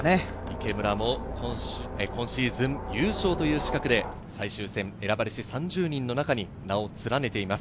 池村も優勝という資格で選ばれし３０人の中に名を連ねています。